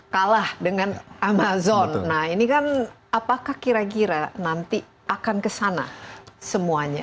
kalah dengan amazon nah ini kan apakah kira kira nanti akan kesana semuanya